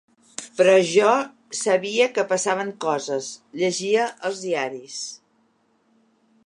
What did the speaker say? Però jo sabia que passaven coses, llegia els diaris.